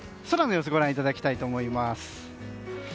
空の様子ご覧いただきたいと思います。